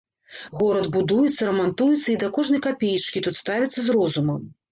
Горад будуецца, рамантуецца і да кожнай капеечкі тут ставяцца з розумам.